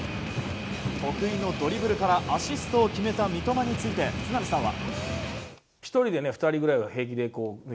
得意のドリブルからアシストを決めた三笘について都並さんは。